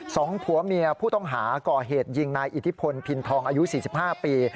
สองผัวเมียผู้ต้องหาก่อเหตุยิงนายอิทธิพลพินทองอายุ๔๕ปี